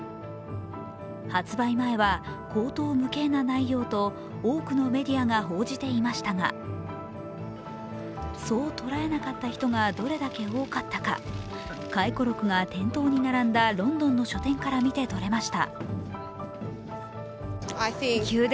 発売前は、荒唐無稽な内容と多くのメディアが報じていましたがそう捉えなかった人がどれだけ多かったか、回顧録が店頭に並んだロンドンの書店から見てとれました。